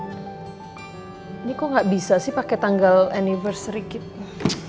ini kok gak bisa sih pake tanggal anniversary gitu